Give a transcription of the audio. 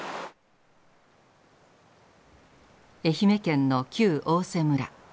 愛媛県の旧大瀬村。